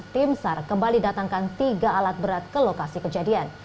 timsar kembali datangkan tiga alat berat ke lokasi kejadian